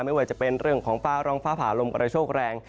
ไม่ว่าจะเป็นเรื่องของฟ้าร้องฟ้าผ่าลมกระโชคแรง